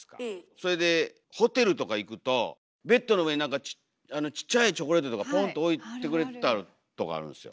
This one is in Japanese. それでホテルとか行くとベッドの上になんかちっちゃいチョコレートとかポンと置いてくれてあるとこあるんすよ。